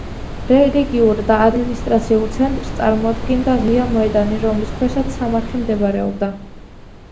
რელიგიურ და ადმინისტრაციულ ცენტრს წარმოადგენდა ღია მოედანი, რომლის ქვეშაც სამარხი მდებარეობდა.